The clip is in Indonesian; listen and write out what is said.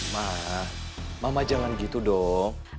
mah mama jangan gitu dong